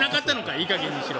いいかげんにしろ。